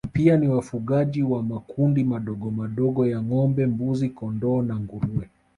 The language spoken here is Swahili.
Pia ni wafugaji wa makundi madogomadogo ya ngombe mbuzi kondoo na nguruwe